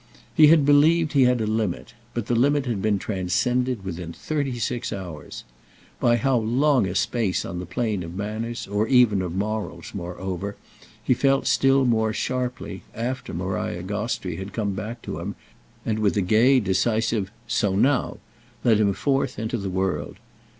He had believed he had a limit, but the limit had been transcended within thirty six hours. By how long a space on the plane of manners or even of morals, moreover, he felt still more sharply after Maria Gostrey had come back to him and with a gay decisive "So now—!" led him forth into the world.